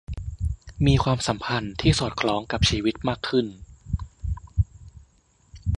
มีความสัมพันธ์ที่สอดคล้องกับชีวิตมากขึ้น